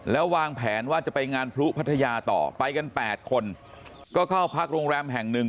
แล้ววางแผนว่าจะไปงานพลุพัทยาต่อไปกัน๘คนก็เข้าพักโรงแรมแห่งหนึ่ง